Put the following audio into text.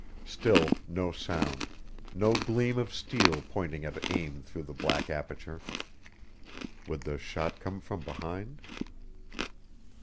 Still no sound no gleam of steel pointing at aim through the black aperture. Would the shot come from behind?